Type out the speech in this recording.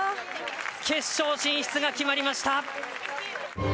決勝進出が決まりました。